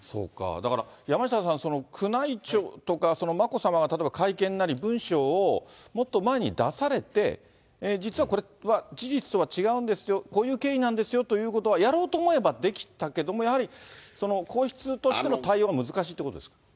だから、山下さん、宮内庁とか、その眞子さまが例えば会見なり、文書をもっと前に出されて、実はこれは事実とは違うんですよ、こういう経緯なんですよということはやろうと思えばできたけども、やはり皇室としての対応が難しいということですか？